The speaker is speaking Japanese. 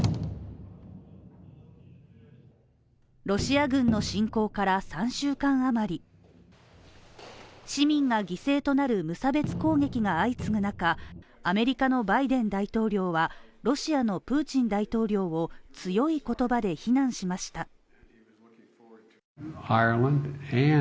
ロシア軍の侵攻から３週間あまり市民が犠牲となる無差別攻撃が相次ぐ中アメリカのバイデン大統領は、ロシアのプーチン大統領を強い言葉で非難しました。